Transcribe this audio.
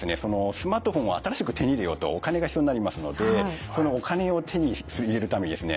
スマートフォンを新しく手に入れようとお金が必要になりますのでそのお金を手に入れるためにですね